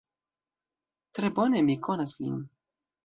Tre bone mi konas lin.